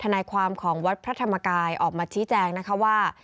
นายความของวัดพระธรรมกายออกมาชี้แจงนะคะว่า